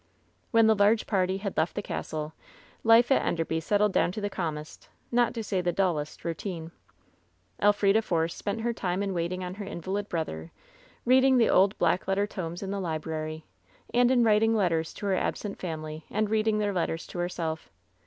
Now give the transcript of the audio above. When the large party had left the castle, life at En derby settled down to the calmest, not to say the dullest, routine. Elf rida Force spent her time in waiting on her invalid brother, reading the old black letter tomes in the library, and in writing letters to her absent family and reading their letters to herself.